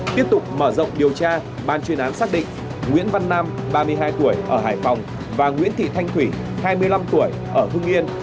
tiếp tục mở rộng điều tra ban chuyên án xác định nguyễn văn nam ba mươi hai tuổi ở hải phòng và nguyễn thị thanh thủy hai mươi năm tuổi ở hưng yên